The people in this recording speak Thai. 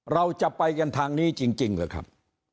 เราจะไปกันทางนี้จริงหรือครับ